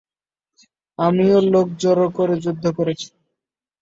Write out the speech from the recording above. আমিও লোক জড়ো করে যুদ্ধ করেছি।